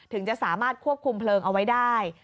ถึงจะสามารถควบคุมเพลิงเอาไว้ได้